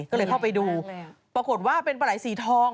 ก็เลยเข้าไปดูปรากฏว่าเป็นปลาไหลสีทอง